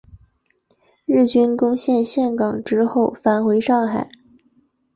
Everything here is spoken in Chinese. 日军攻陷陷港之后返回上海。